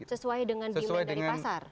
sesuai dengan demand dari pasar